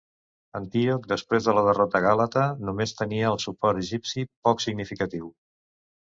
Antíoc, després de la derrota gàlata, només tenia el suport egipci, poc significatiu.